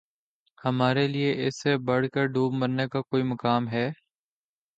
ہمارے لیے اس سے بڑھ کر دوب مرنے کا کوئی مقام ہے